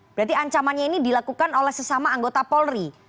berarti ancamannya ini dilakukan oleh sesama anggota polri